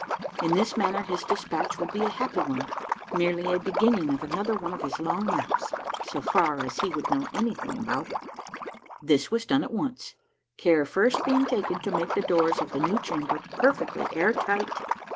In this manner his despatch would be a happy one, merely a be ginning of another one of his long naps, so far as he would know any thing about it. This was done at once, care first being taken to make the doors of the new chamber perfectly air tight.